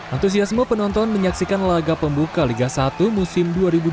antusiasme penonton menyaksikan laga pembuka liga satu musim dua ribu dua puluh tiga dua ribu dua puluh empat